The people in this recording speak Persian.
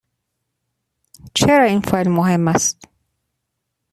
چرا این فایل مهم است؟